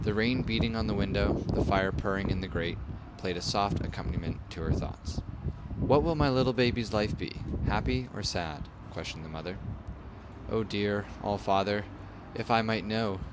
The rain beating on the window, the fire purring in the grate, played a soft accompaniment to her thoughts. "What will my little baby's life be,—happy or sad?" questioned the mother. "Oh, dear All Father, if I might know!"